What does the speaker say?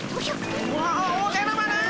わあおじゃる丸！